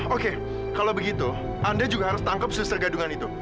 oke kalau begitu anda juga harus tangkap sesergadungan itu